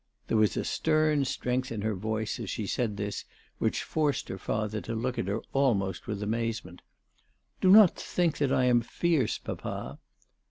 There was a stern strength in her voice as she said this, which forced her father to look at her almost with amaze ment. " Do not think that I am fierce, papa."